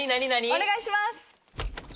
お願いします。